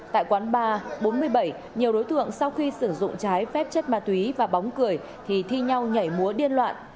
tại quán ba bốn mươi bảy nhiều đối tượng sau khi sử dụng trái phép chất ma túy và bóng cười thì thi nhau nhảy múa điên loạn